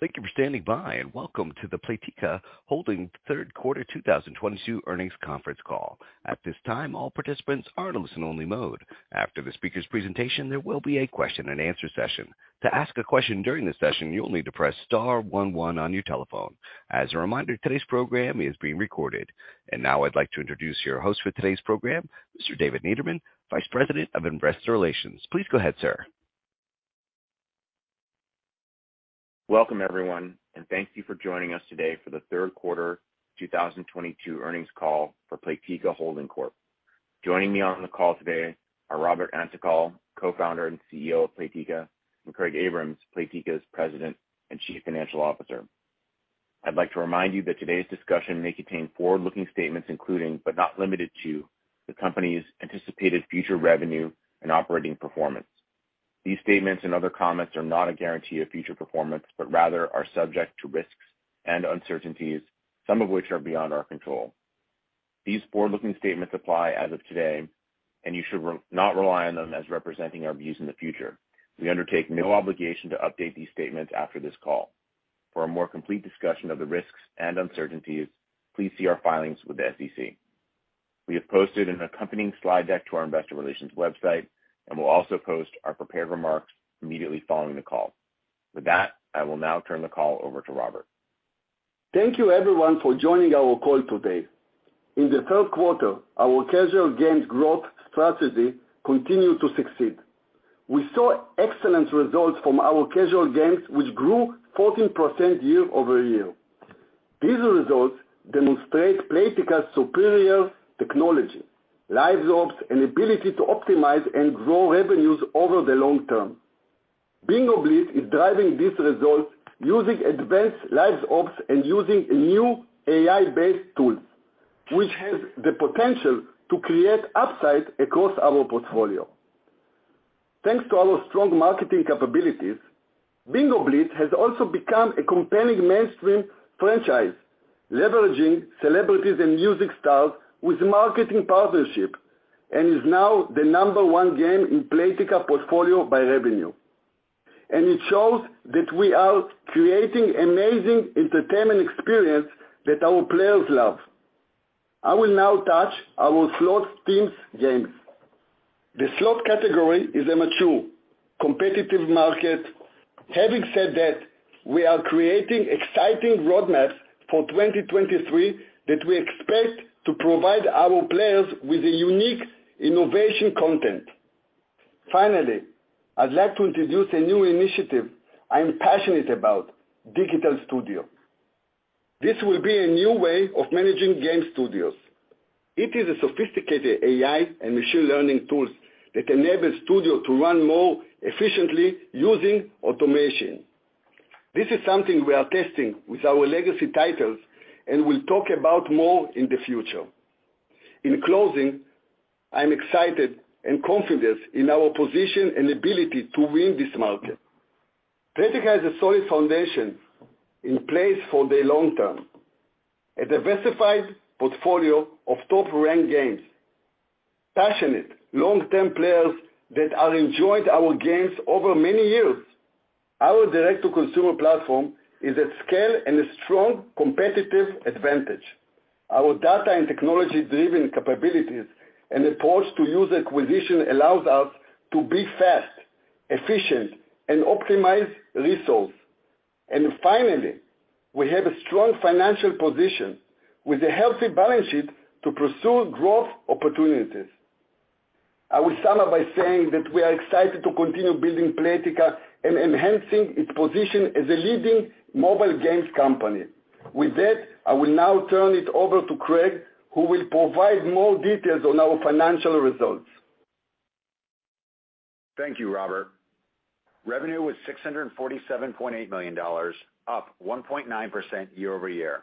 Thank you for standing by, and welcome to the Playtika Holding third quarter 2022 earnings conference call. At this time, all participants are in listen only mode. After the speaker's presentation, there will be a question and answer session. To ask a question during the session, you will need to press Star One One on your telephone. As a reminder, today's program is being recorded. Now I'd like to introduce your host for today's program, Mr. David Niederman, Vice President of Investor Relations. Please go ahead, sir. Welcome, everyone, and thank you for joining us today for the third quarter 2022 earnings call for Playtika Holding Corp. Joining me on the call today are Robert Antokol, Co-founder and CEO of Playtika, and Craig Abrahams, Playtika's President and Chief Financial Officer. I'd like to remind you that today's discussion may contain forward-looking statements, including, but not limited to, the company's anticipated future revenue and operating performance. These statements and other comments are not a guarantee of future performance, but rather are subject to risks and uncertainties, some of which are beyond our control. These forward-looking statements apply as of today, and you should not rely on them as representing our views in the future. We undertake no obligation to update these statements after this call. For a more complete discussion of the risks and uncertainties, please see our filings with the SEC. We have posted an accompanying slide deck to our investor relations website, and we'll also post our prepared remarks immediately following the call. With that, I will now turn the call over to Robert. Thank you everyone for joining our call today. In the third quarter, our casual games growth strategy continued to succeed. We saw excellent results from our casual games, which grew 14% year-over-year. These results demonstrate Playtika's superior technology, LiveOps, and ability to optimize and grow revenues over the long term. Bingo Blitz is driving these results using advanced LiveOps and using a new AI-based tools, which has the potential to create upside across our portfolio. Thanks to our strong marketing capabilities, Bingo Blitz has also become a compelling mainstream franchise, leveraging celebrities and music stars with marketing partnership, and is now the number one game in Playtika portfolio by revenue. It shows that we are creating amazing entertainment experience that our players love. I will now turn to our slot-themed games. The slot category is a mature, competitive market. Having said that, we are creating exciting roadmaps for 2023 that we expect to provide our players with a unique innovation content. Finally, I'd like to introduce a new initiative I'm passionate about. Digital Studio. This will be a new way of managing game studios. It is a sophisticated AI and machine learning tools that enable studio to run more efficiently using automation. This is something we are testing with our legacy titles and will talk about more in the future. In closing, I'm excited and confident in our position and ability to win this market. Playtika has a solid foundation in place for the long term. A diversified portfolio of top-ranked games. Passionate long-term players that are enjoyed our games over many years. Our direct-to-consumer platform is at scale and a strong competitive advantage. Our data and technology-driven capabilities and approach to user acquisition allows us to be fast, efficient, and optimize results. Finally, we have a strong financial position with a healthy balance sheet to pursue growth opportunities. I will sum up by saying that we are excited to continue building Playtika and enhancing its position as a leading mobile games company. With that, I will now turn it over to Craig, who will provide more details on our financial results. Thank you, Robert. Revenue was $647.8 million, up 1.9% year-over-year.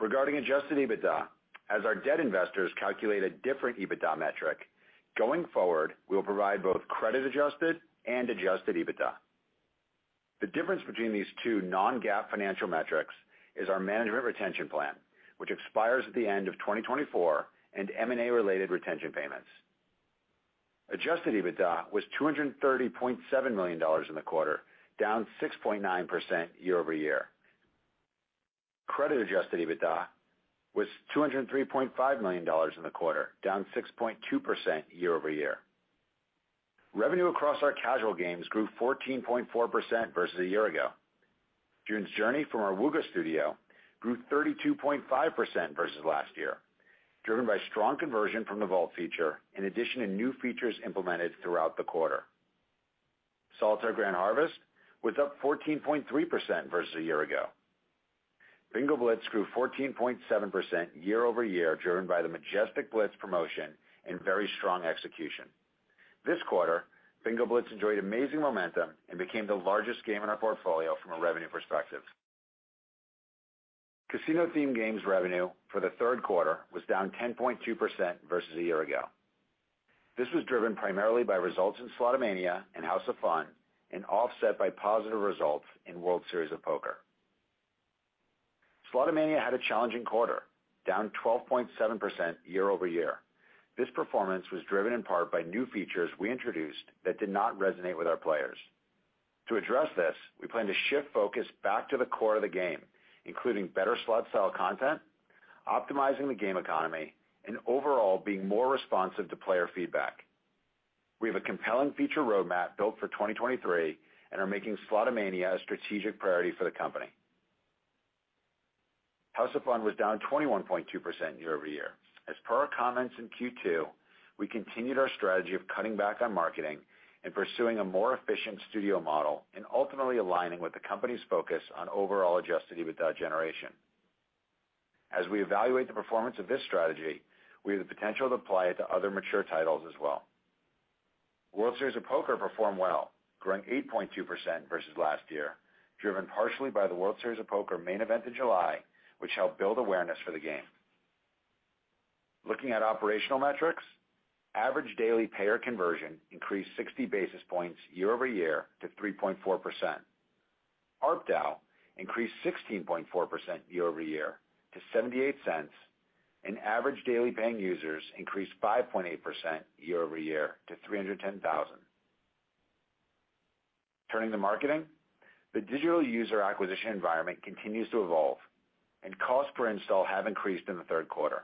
Regarding Adjusted EBITDA, as our debt investors calculate a different EBITDA metric, going forward, we'll provide both credit-adjusted and Adjusted EBITDA. The difference between these two non-GAAP financial metrics is our management retention plan, which expires at the end of 2024 and M&A-related retention payments. Adjusted EBITDA was $230.7 million in the quarter, down 6.9% year-over-year. Credit-Adjusted EBITDA was $203.5 million in the quarter, down 6.2% year-over-year. Revenue across our casual games grew 14.4% versus a year ago. June's Journey from our Wooga studio grew 32.5% versus last year, driven by strong conversion from the Vault feature in addition to new features implemented throughout the quarter. Solitaire Grand Harvest was up 14.3% versus a year ago. Bingo Blitz grew 14.7% year-over-year, driven by the Majestic Blitz promotion and very strong execution. This quarter, Bingo Blitz enjoyed amazing momentum and became the largest game in our portfolio from a revenue perspective. Casino-themed games revenue for the third quarter was down 10.2% versus a year ago. This was driven primarily by results in Slotomania and House of Fun and offset by positive results in World Series of Poker. Slotomania had a challenging quarter, down 12.7% year-over-year. This performance was driven in part by new features we introduced that did not resonate with our players. To address this, we plan to shift focus back to the core of the game, including better slot style content, optimizing the game economy and overall being more responsive to player feedback. We have a compelling feature roadmap built for 2023 and are making Slotomania a strategic priority for the company. House of Fun was down 21.2% year-over-year. As per our comments in Q2, we continued our strategy of cutting back on marketing and pursuing a more efficient studio model and ultimately aligning with the company's focus on overall Adjusted EBITDA generation. As we evaluate the performance of this strategy, we have the potential to apply it to other mature titles as well. World Series of Poker performed well, growing 8.2% versus last year, driven partially by the World Series of Poker main event in July, which helped build awareness for the game. Looking at operational metrics, average daily payer conversion increased 60 basis points year-over-year to 3.4%. ARPDAU increased 16.4% year-over-year to $0.78, and average daily paying users increased 5.8% year-over-year to 310,000. Turning to marketing. The digital user acquisition environment continues to evolve, and cost per install have increased in the third quarter.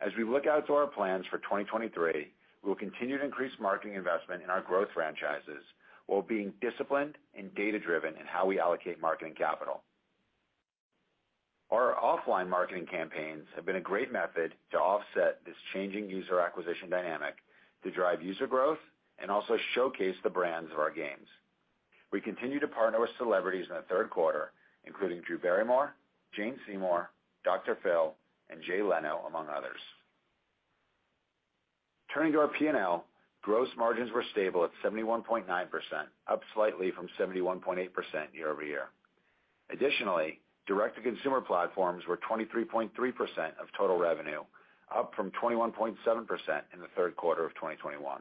As we look out to our plans for 2023, we'll continue to increase marketing investment in our growth franchises while being disciplined and data-driven in how we allocate marketing capital. Our offline marketing campaigns have been a great method to offset this changing user acquisition dynamic, to drive user growth and also showcase the brands of our games. We continue to partner with celebrities in the third quarter, including Drew Barrymore, Jane Seymour, Dr. Phil and Jay Leno, among others. Turning to our P&L. Gross margins were stable at 71.9%, up slightly from 71.8% year-over-year. Additionally, direct-to-consumer platforms were 23.3% of total revenue, up from 21.7% in the third quarter of 2021.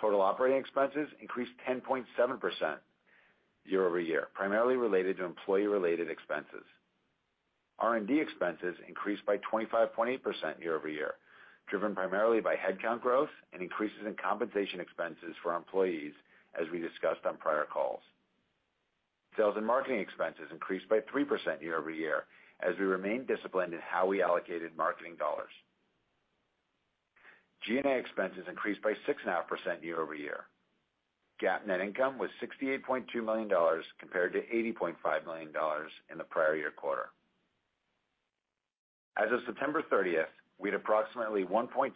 Total operating expenses increased 10.7% year-over-year, primarily related to employee-related expenses. R&D expenses increased by 25.8% year-over-year, driven primarily by headcount growth and increases in compensation expenses for our employees, as we discussed on prior calls. Sales and marketing expenses increased by 3% year-over-year as we remain disciplined in how we allocated marketing dollars. G&A expenses increased by 6.5% year-over-year. GAAP net income was $68.2 million compared to $80.5 million in the prior year quarter. As of September 30, we had approximately $1.26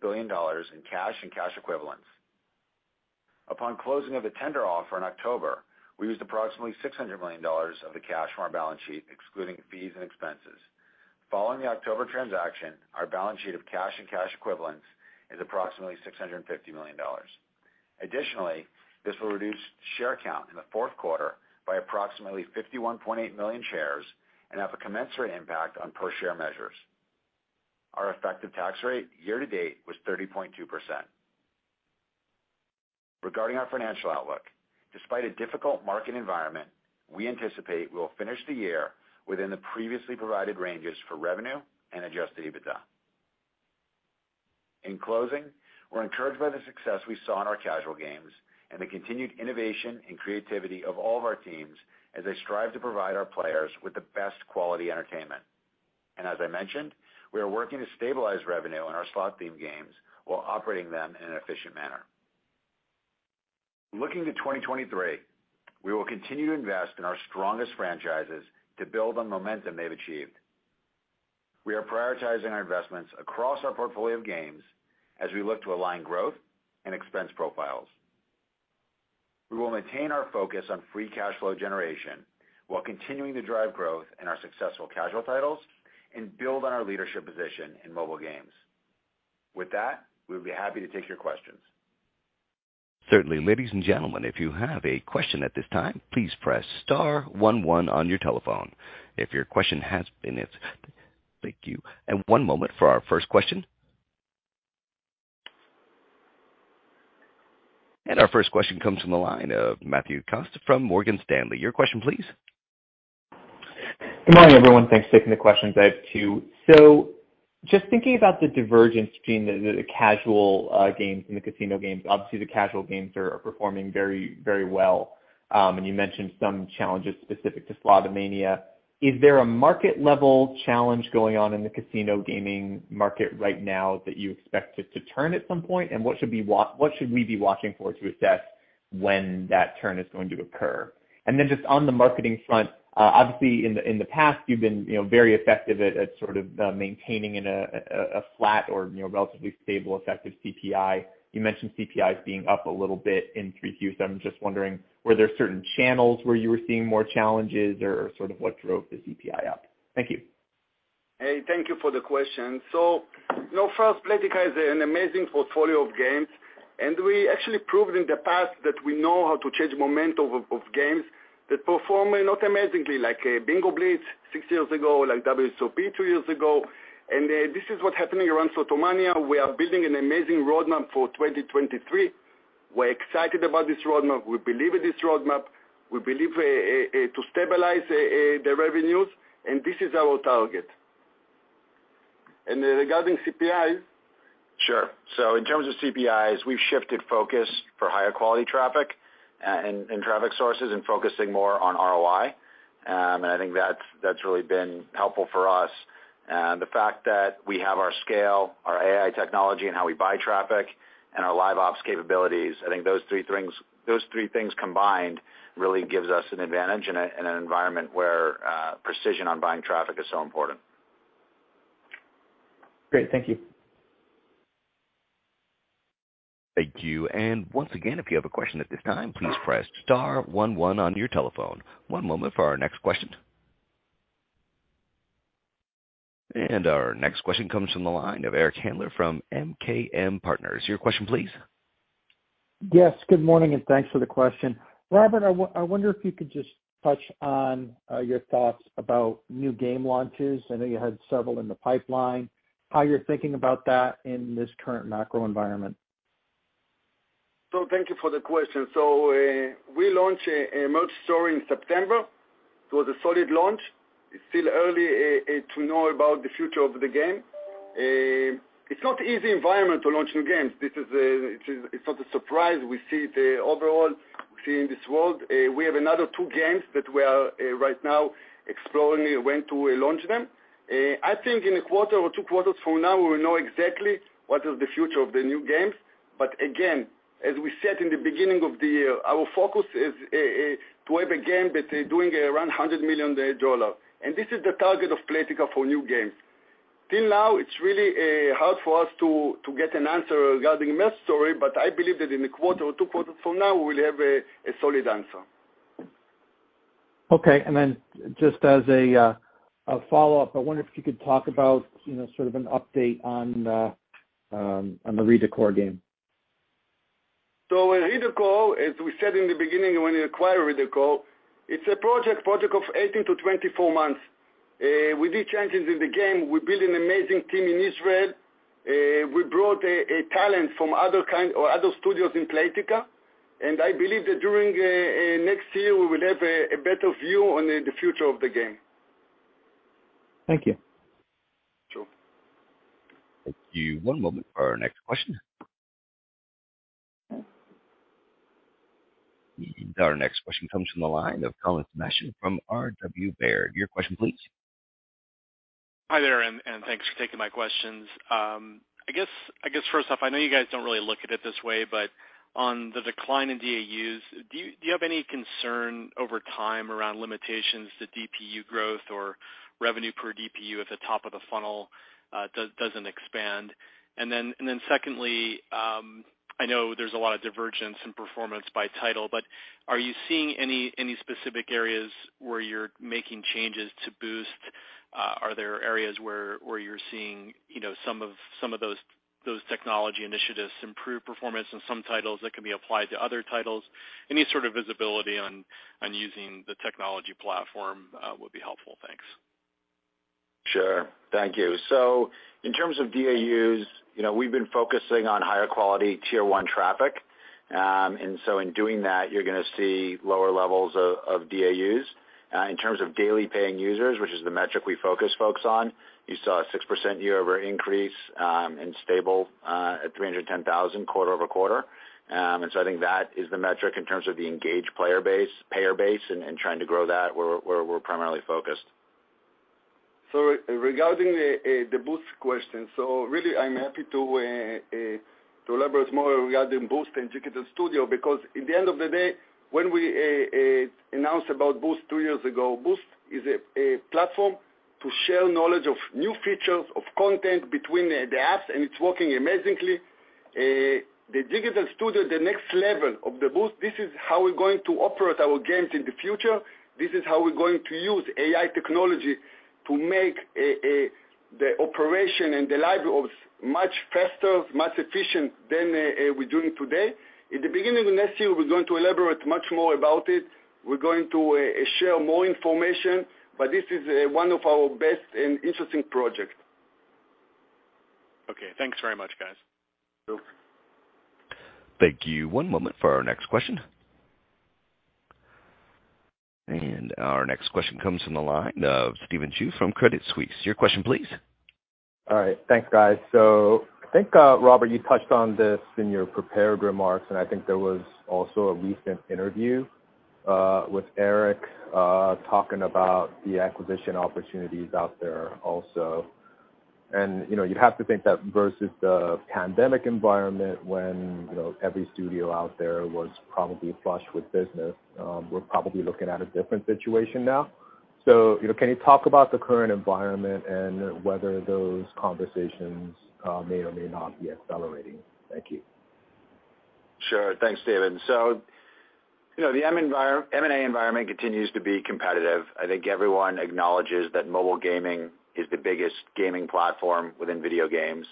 billion in cash and cash equivalents. Upon closing of the tender offer in October, we used approximately $600 million of the cash from our balance sheet, excluding fees and expenses. Following the October transaction, our balance sheet of cash and cash equivalents is approximately $650 million. Additionally, this will reduce share count in the fourth quarter by approximately 51.8 million shares and have a commensurate impact on per share measures. Our effective tax rate year to date was 30.2%. Regarding our financial outlook, despite a difficult market environment, we anticipate we will finish the year within the previously provided ranges for revenue and Adjusted EBITDA. In closing, we're encouraged by the success we saw in our casual games and the continued innovation and creativity of all of our teams as they strive to provide our players with the best quality entertainment. As I mentioned, we are working to stabilize revenue in our slot-themed games while operating them in an efficient manner. Looking to 2023, we will continue to invest in our strongest franchises to build on momentum they've achieved. We are prioritizing our investments across our portfolio of games as we look to align growth and expense profiles. We will maintain our focus on free cash flow generation while continuing to drive growth in our successful casual titles and build on our leadership position in mobile games. With that, we would be happy to take your questions. Certainly. Ladies and gentlemen, if you have a question at this time, please press Star One One on your telephone. Thank you. One moment for our first question. Our first question comes from the line of Matthew Cost from Morgan Stanley. Your question please. Good morning, everyone. Thanks for taking the questions. I have two. Just thinking about the divergence between the casual games and the casino games. Obviously the casual games are performing very, very well. You mentioned some challenges specific to Slotomania. Is there a market level challenge going on in the casino gaming market right now that you expect it to turn at some point? What should we be watching for to assess when that turn is going to occur? Just on the marketing front, obviously in the past you've been, you know, very effective at sort of maintaining in a flat or, you know, relatively stable effective CPI. You mentioned CPIs being up a little bit in three Qs. I'm just wondering, were there certain channels where you were seeing more challenges or sort of what drove the CPI up? Thank you. Hey, thank you for the question. You know, first Playtika has an amazing portfolio of games, and we actually proved in the past that we know how to change momentum of games that perform not amazingly like Bingo Blitz six years ago, like WSOP two years ago. This is what's happening around Slotomania. We are building an amazing roadmap for 2023. We're excited about this roadmap. We believe in this roadmap. We believe to stabilize the revenues, and this is our target. Regarding CPIs? Sure. In terms of CPIs, we've shifted focus for higher quality traffic and traffic sources and focusing more on ROI. I think that's really been helpful for us. The fact that we have our scale, our AI technology, and how we buy traffic and our LiveOps capabilities, I think those three things combined really gives us an advantage in an environment where precision on buying traffic is so important. Great. Thank you. Thank you. Once again, if you have a question at this time, please press star one one on your telephone. One moment for our next question. Our next question comes from the line of Eric Handler from MKM Partners. Your question please. Yes, good morning, and thanks for the question. Robert, I wonder if you could just touch on your thoughts about new game launches. I know you had several in the pipeline. How you're thinking about that in this current macro environment? Thank you for the question. We launched a Merge Story in September. It was a solid launch. It's still early to know about the future of the game. It's not an easy environment to launch new games. It's not a surprise. We see the overall world, we have another two games that we are right now exploring when to launch them. I think in a quarter or two quarters from now, we will know exactly what is the future of the new games. Again, as we said in the beginning of the year, our focus is to have a game that doing around $100 million. This is the target of Playtika for new games. Till now, it's really hard for us to get an answer regarding Merge Story, but I believe that in a quarter or two quarters from now, we'll have a solid answer. Okay. Just as a follow-up, I wonder if you could talk about, you know, sort of an update on the Reworks game. With Reworks, as we said in the beginning when we acquired Reworks, it's a project of 18-24 months. We did changes in the game. We built an amazing team in Israel. We brought a talent from other kind or other studios in Playtika, and I believe that during next year, we will have a better view on the future of the game. Thank you. Sure. Thank you. One moment for our next question. Our next question comes from the line of Colin Sebastian from RW Baird. Your question please. Hi there, thanks for taking my questions. I guess first off, I know you guys don't really look at it this way, but on the decline in DAUs, do you have any concern over time around limitations to DPU growth or revenue per DPU at the top of the funnel, doesn't expand? Secondly, I know there's a lot of divergence in performance by title, but are you seeing any specific areas where you're making changes to Boost? Are there areas where you're seeing, you know, some of those technology initiatives improve performance in some titles that can be applied to other titles? Any sort of visibility on using the technology platform would be helpful. Thanks. Sure. Thank you. In terms of DAUs, you know, we've been focusing on higher quality tier one traffic. In doing that, you're gonna see lower levels of DAUs. In terms of daily paying users, which is the metric we focus folks on, you saw a 6% year-over-year increase and stable at 310,000 quarter-over-quarter. I think that is the metric in terms of the engaged player base, payer base and trying to grow that where we're primarily focused. Regarding the Boost question. Really I'm happy to elaborate more regarding Boost and Digital Studio, because at the end of the day, when we announced about Boost two years ago, Boost is a platform to share knowledge of new features of content between the apps, and it's working amazingly. The Digital Studio, the next level of the Boost, this is how we're going to operate our games in the future. This is how we're going to use AI technology to make the operation and the LiveOps much faster, much efficient than we're doing today. In the beginning of next year, we're going to elaborate much more about it. We're going to share more information, but this is one of our best and interesting project. Okay, thanks very much, guys. Sure. Thank you. One moment for our next question. Our next question comes from the line of Stephen Ju from Credit Suisse. Your question please. All right. Thanks, guys. I think, Robert, you touched on this in your prepared remarks, and I think there was also a recent interview with Eric talking about the acquisition opportunities out there also. You know, you have to think that versus the pandemic environment when, you know, every studio out there was probably flush with business, we're probably looking at a different situation now. You know, can you talk about the current environment and whether those conversations may or may not be accelerating? Thank you. Sure. Thanks, Stephen. You know, the M&A environment continues to be competitive. I think everyone acknowledges that mobile gaming is the biggest gaming platform within video games.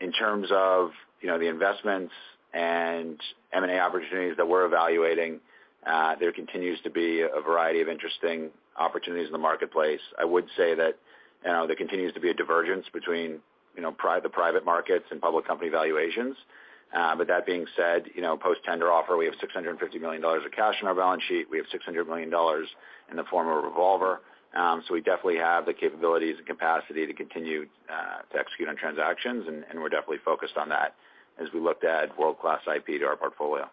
In terms of, you know, the investments and M&A opportunities that we're evaluating, there continues to be a variety of interesting opportunities in the marketplace. I would say that, you know, there continues to be a divergence between, you know, the private markets and public company valuations. That being said, you know, post-tender offer, we have $650 million of cash on our balance sheet. We have $600 million in the form of a revolver. We definitely have the capabilities and capacity to continue to execute on transactions, and we're definitely focused on that as we looked at world-class IP to our portfolio.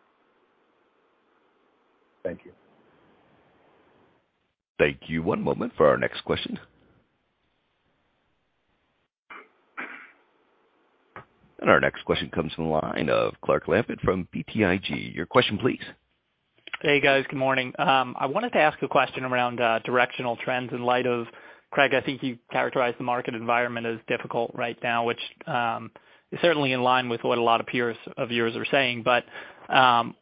Thank you. Thank you. One moment for our next question. Our next question comes from the line of Clark Lampen from BTIG. Your question please. Hey, guys. Good morning. I wanted to ask a question around directional trends in light of, Craig, I think you characterized the market environment as difficult right now, which is certainly in line with what a lot of peers of yours are saying.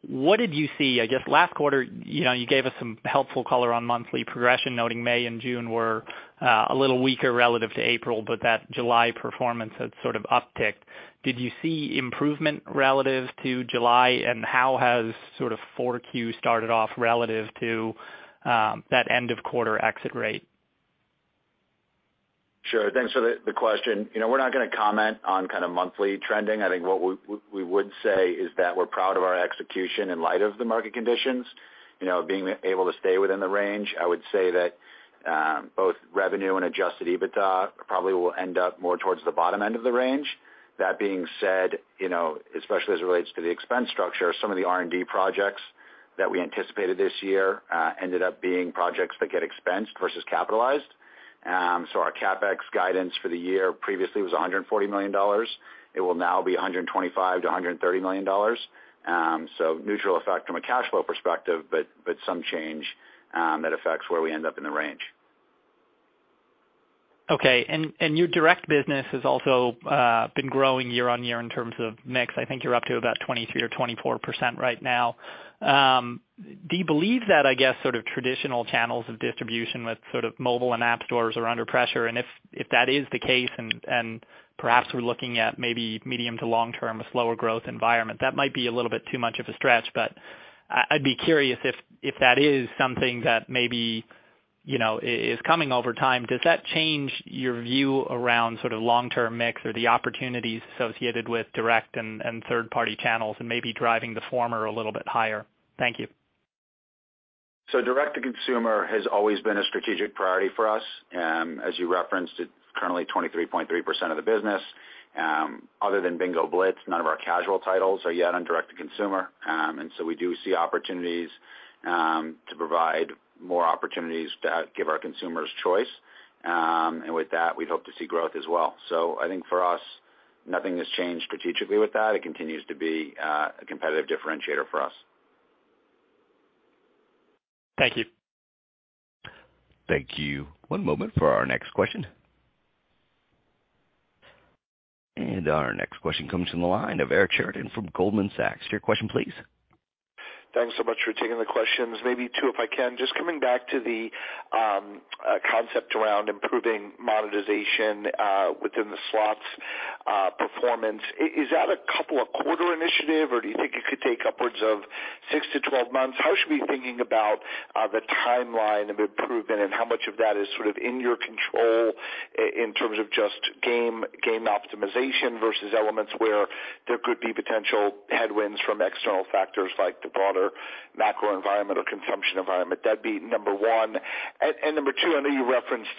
What did you see? I guess, last quarter, you know, you gave us some helpful color on monthly progression, noting May and June were a little weaker relative to April, but that July performance had sort of upticked. Did you see improvement relative to July, and how has sort of 4Q started off relative to that end of quarter exit rate? Sure. Thanks for the question. You know, we're not gonna comment on kind of monthly trending. I think what we would say is that we're proud of our execution in light of the market conditions, you know, being able to stay within the range. I would say that both revenue and Adjusted EBITDA probably will end up more towards the bottom end of the range. That being said, you know, especially as it relates to the expense structure, some of the R&D projects that we anticipated this year ended up being projects that get expensed versus capitalized. So our CapEx guidance for the year previously was $140 million. It will now be $125 million-$130 million. Neutral effect from a cash flow perspective, but some change that affects where we end up in the range. Okay. Your direct business has also been growing year-on-year in terms of mix. I think you're up to about 23% or 24% right now. Do you believe that, I guess, sort of traditional channels of distribution with sort of mobile and app stores are under pressure? If that is the case and perhaps we're looking at maybe medium- to long-term a slower growth environment, that might be a little bit too much of a stretch, but I'd be curious if that is something that maybe, you know, is coming over time, does that change your view around sort of long-term mix or the opportunities associated with direct and third-party channels and maybe driving the former a little bit higher? Thank you. Direct-to-consumer has always been a strategic priority for us. As you referenced, it's currently 23.3% of the business. Other than Bingo Blitz, none of our casual titles are yet on direct-to-consumer. We do see opportunities to provide more opportunities that give our consumers choice. With that, we hope to see growth as well. I think for us, nothing has changed strategically with that. It continues to be a competitive differentiator for us. Thank you. Thank you. One moment for our next question. Our next question comes from the line of Eric Sheridan from Goldman Sachs. Your question please. Thanks so much for taking the questions. Maybe two if I can. Just coming back to the concept around improving monetization within the slots' performance, is that a couple of quarters initiative, or do you think it could take upwards of six to 12 months? How should we be thinking about the timeline of improvement and how much of that is sort of in your control in terms of just game optimization versus elements where there could be potential headwinds from external factors like the broader macro environmental consumption environment? That'd be number one. Number two, I know you referenced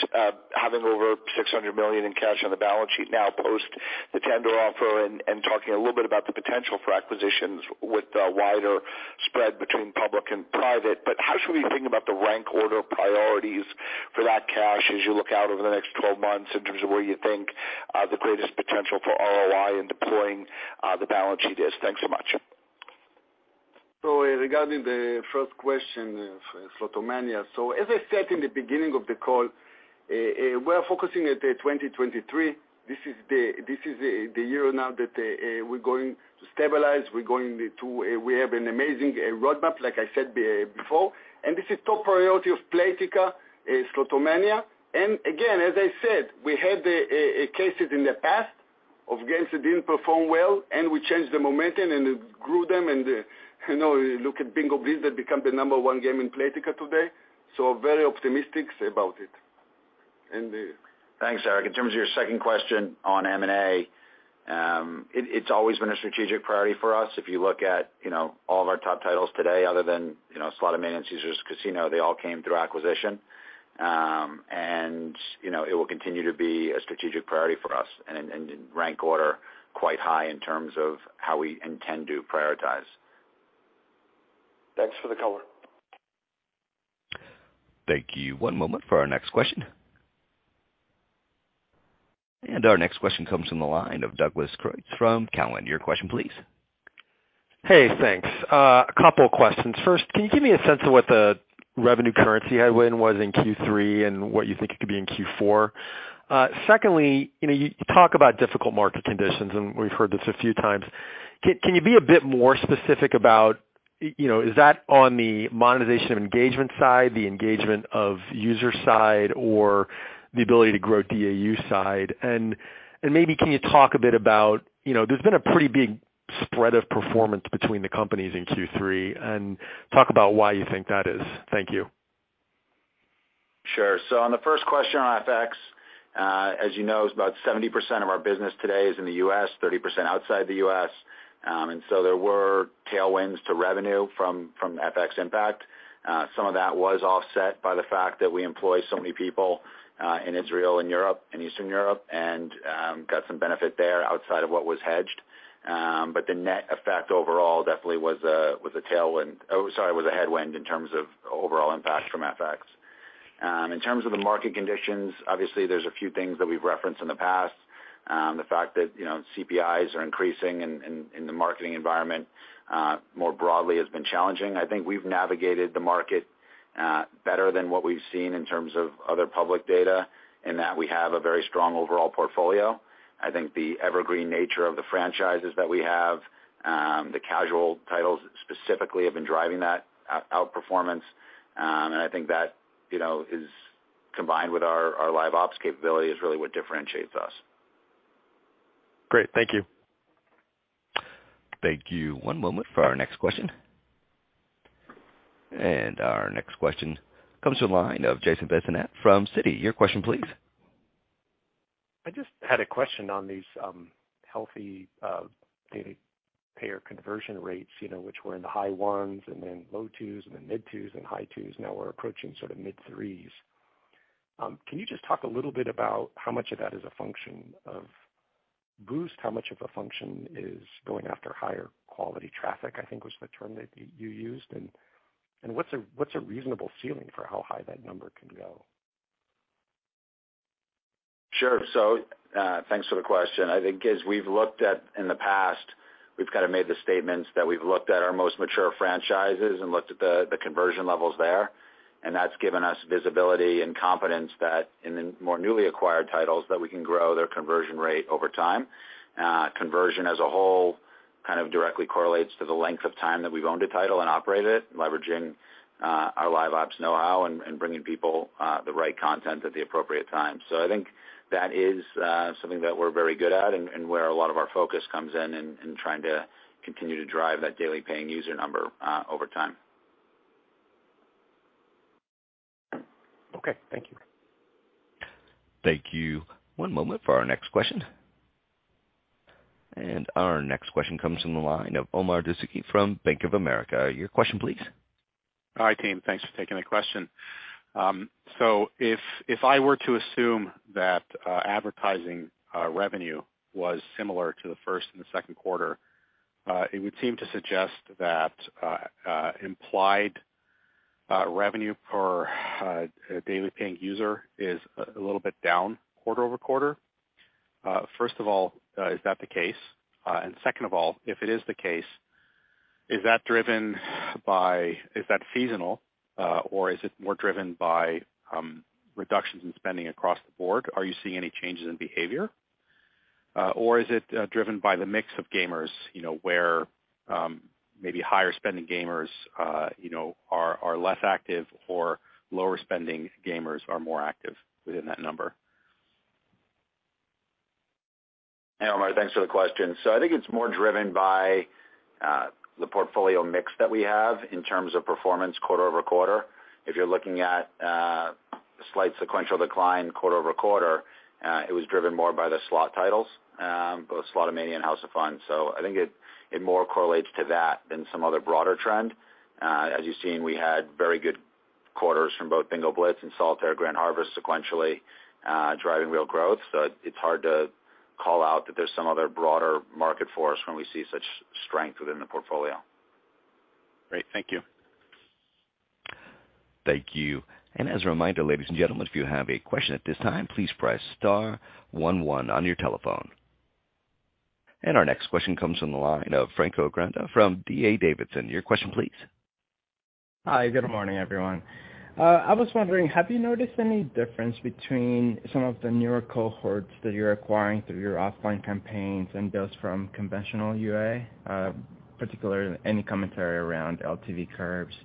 having over $600 million in cash on the balance sheet now post the tender offer and talking a little bit about the potential for acquisitions with the wider spread between public and private. How should we think about the rank order priorities for that cash as you look out over the next 12 months in terms of where you think the greatest potential for ROI in deploying the balance sheet is? Thanks so much. Regarding the first question of Slotomania, as I said in the beginning of the call, we're focusing on 2023. This is the year now that we're going to stabilize. We have an amazing roadmap, like I said before, and this is top priority of Playtika, is Slotomania. Again, as I said, we had cases in the past of games that didn't perform well, and we changed the momentum and grew them. You know, look at Bingo Blitz that become the number one game in Playtika today. Very optimistic about it. Thanks, Eric. In terms of your second question on M&A, it's always been a strategic priority for us. If you look at, you know, all of our top titles today other than, you know, Slotomania and Caesars Casinos, they all came through acquisition. It will continue to be a strategic priority for us and in rank order quite high in terms of how we intend to prioritize. Thanks for the color. Thank you. One moment for our next question. Our next question comes from the line of Douglas Creutz from Cowen. Your question please. Hey, thanks. A couple of questions. First, can you give me a sense of what the revenue currency headwind was in Q3 and what you think it could be in Q4? Secondly, you know, you talk about difficult market conditions, and we've heard this a few times. Can you be a bit more specific about, you know, is that on the monetization of engagement side, the engagement of user side or the ability to grow DAU side? Maybe can you talk a bit about, you know, there's been a pretty big spread of performance between the companies in Q3 and talk about why you think that is. Thank you. Sure. On the first question on FX, as you know, about 70% of our business today is in the U.S., 30% outside the U.S.. There were tailwinds to revenue from FX impact. Some of that was offset by the fact that we employ so many people in Israel and Europe and Eastern Europe and got some benefit there outside of what was hedged. The net effect overall definitely was a tailwind. Oh, sorry, was a headwind in terms of overall impact from FX. In terms of the market conditions, obviously there's a few things that we've referenced in the past. The fact that, you know, CPIs are increasing in the marketing environment more broadly has been challenging. I think we've navigated the market better than what we've seen in terms of other public data, in that we have a very strong overall portfolio. I think the evergreen nature of the franchises that we have, the casual titles specifically have been driving that outperformance. I think that, you know, is combined with our LiveOps capability is really what differentiates us. Great. Thank you. Thank you. One moment for our next question. Our next question comes to the line of Jason Bazinet from Citi. Your question, please. I just had a question on these healthy daily payer conversion rates, you know, which were in the high 1% and then low 2% and the mid 2% and high 2%. Now we're approaching sort of mid 3%. Can you just talk a little bit about how much of that is a function of boost, how much of a function is going after higher quality traffic, I think was the term that you used. What's a reasonable ceiling for how high that number can go? Sure. Thanks for the question. I think as we've looked at in the past, we've kind of made the statements that we've looked at our most mature franchises and looked at the conversion levels there, and that's given us visibility and confidence that in the more newly acquired titles that we can grow their conversion rate over time. Conversion as a whole kind of directly correlates to the length of time that we've owned a title and operated it, leveraging our LiveOps know-how and bringing people the right content at the appropriate time. I think that is something that we're very good at and where a lot of our focus comes in in trying to continue to drive that daily paying user number over time. Okay, thank you. Thank you. One moment for our next question. Our next question comes from the line of Omar Dessouky from Bank of America. Your question, please. Hi, team. Thanks for taking the question. If I were to assume that advertising revenue was similar to the first and the second quarter, it would seem to suggest that implied revenue per daily paying user is a little bit down quarter-over-quarter. First of all, is that the case? Second of all, if it is the case, is that seasonal, or is it more driven by reductions in spending across the board? Are you seeing any changes in behavior? Is it driven by the mix of gamers, you know, where maybe higher spending gamers, you know, are less active or lower spending gamers are more active within that number? Hey, Omar, thanks for the question. I think it's more driven by the portfolio mix that we have in terms of performance quarter-over-quarter. If you're looking at slight sequential decline quarter-over-quarter, it was driven more by the slot titles, both Slotomania and House of Fun. I think it more correlates to that than some other broader trend. As you've seen, we had very good quarters from both Bingo Blitz and Solitaire Grand Harvest sequentially, driving real growth. It's hard to call out that there's some other broader market force when we see such strength within the portfolio. Great. Thank you. Thank you. As a reminder, ladies and gentlemen, if you have a question at this time, please press Star One One on your telephone. Our next question comes from the line of Franco Granda from D.A. Davidson. Your question, please. Hi. Good morning, everyone. I was wondering, have you noticed any difference between some of the newer cohorts that you're acquiring through your offline campaigns and those from conventional UA? Particularly any commentary around LTV curves,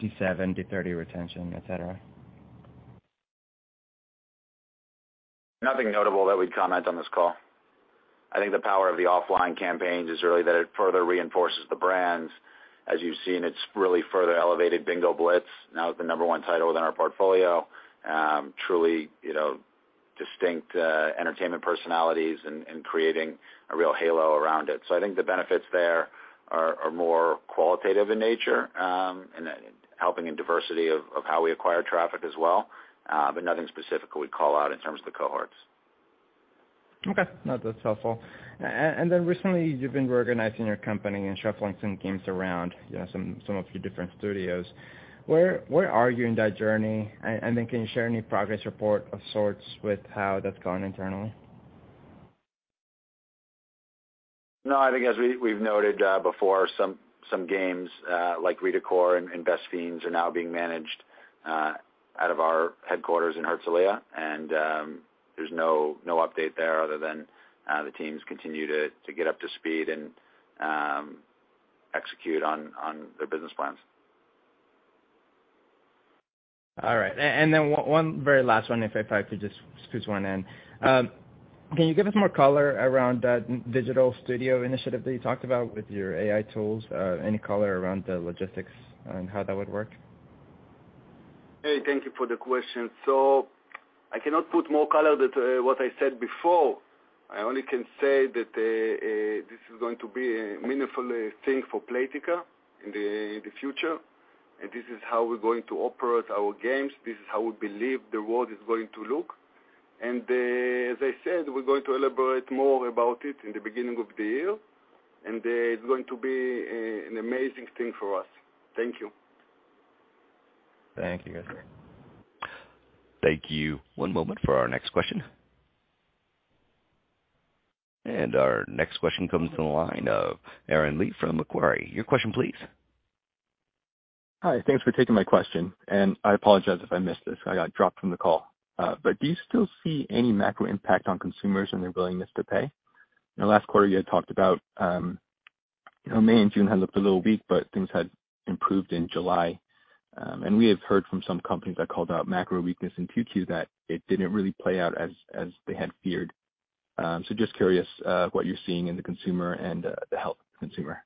D7, D30 retention, et cetera. Nothing notable that we'd comment on this call. I think the power of the offline campaigns is really that it further reinforces the brands. As you've seen, it's really further elevated Bingo Blitz, now as the number one title within our portfolio. Truly, you know, distinct entertainment personalities and creating a real halo around it. I think the benefits there are more qualitative in nature, and helping in diversity of how we acquire traffic as well. Nothing specific we'd call out in terms of the cohorts. Okay. No, that's helpful. Recently, you've been reorganizing your company and shuffling some games around, you know, some of your different studios. Where are you in that journey? Can you share any progress report of sorts with how that's gone internally? No, I think as we've noted before, some games like Redecor and Best Fiends are now being managed out of our headquarters in Herzliya, and there's no update there other than the teams continue to get up to speed and execute on their business plans. All right. One very last one, if I probably could just squeeze one in. Can you give us more color around that Digital Studio initiative that you talked about with your AI tools? Any color around the logistics on how that would work? Hey, thank you for the question. I cannot put more color than what I said before. I only can say that this is going to be a meaningful thing for Playtika in the future, and this is how we're going to operate our games. This is how we believe the world is going to look. As I said, we're going to elaborate more about it in the beginning of the year, and it's going to be an amazing thing for us. Thank you. Thank you. Thank you. One moment for our next question. Our next question comes from the line of Aaron Lee from Macquarie. Your question please. Hi. Thanks for taking my question, and I apologize if I missed this. I got dropped from the call. Do you still see any macro impact on consumers and their willingness to pay? In the last quarter, you had talked about, you know, May and June had looked a little weak, but things had improved in July. We have heard from some companies that called out macro weakness in Q2 that it didn't really play out as they had feared. Just curious, what you're seeing in the consumer and the health of the consumer.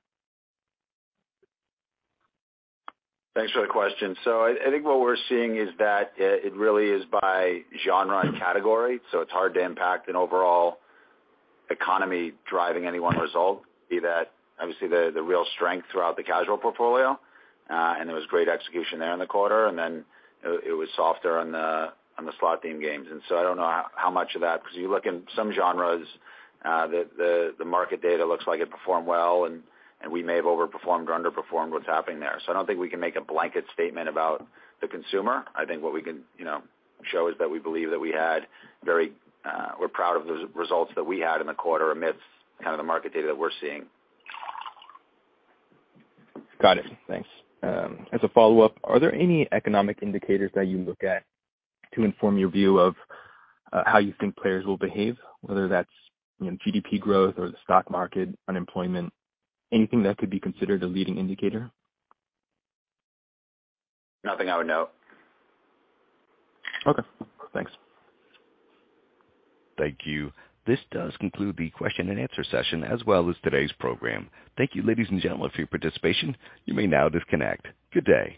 Thanks for the question. I think what we're seeing is that it really is by genre and category, so it's hard to impact an overall economy driving any one result, be that obviously the real strength throughout the casual portfolio. There was great execution there in the quarter, and then it was softer on the slot game. I don't know how much of that, 'cause you look in some genres, the market data looks like it performed well, and we may have overperformed or underperformed what's happening there. I don't think we can make a blanket statement about the consumer. I think what we can, you know, show is that we believe that we're proud of the results that we had in the quarter amidst kind of the market data that we're seeing. Got it. Thanks. As a follow-up, are there any economic indicators that you look at to inform your view of how you think players will behave, whether that's, you know, GDP growth or the stock market, unemployment, anything that could be considered a leading indicator? Nothing I would note. Okay, thanks. Thank you. This does conclude the question and answer session, as well as today's program. Thank you, ladies and gentlemen, for your participation. You may now disconnect. Good day.